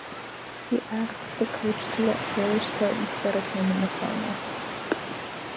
He asks the coach to let Harris start instead of him in the final.